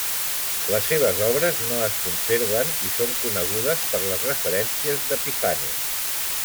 Les seves obres no es conserven i són conegudes per les referències d'Epifani.